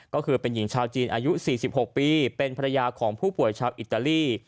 ก็คือเป็นหญิงชาวจีนอายุ๔๖ปีเป็นภรรยาของผู้ป่วยชาวอิตาลี